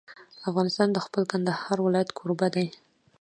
افغانستان د خپل کندهار ولایت کوربه دی.